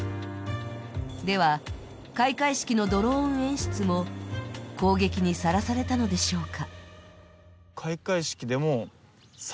では、開会式のドローン演出も攻撃にさらされたのでしょうか。